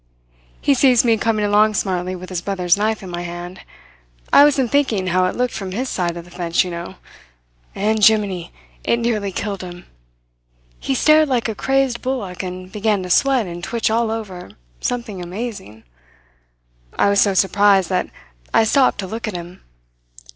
"He sees me come along smartly with his brother's knife in my hand I wasn't thinking how it looked from his side of the fence, you know and jiminy, it nearly killed him! He stared like a crazed bullock and began to sweat and twitch all over, something amazing. I was so surprised, that I stopped to look at him.